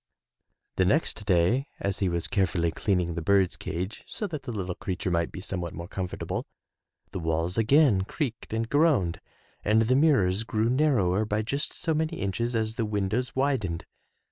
The next day as he was carefully cleaning the bird's cage so that the little creature might be somewhat more comfort able, the walls again creaked and groaned and the mirrors grew narrower by just so many inches as the windows widened.